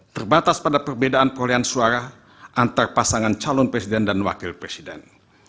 terbatas pada perbedaan perolehan suara antar pasangan calon presiden dan wakil presiden